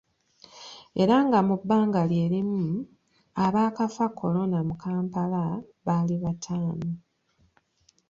Era nga mu bbanga lye limu abaakafa Corona mu Kampala bali bataano.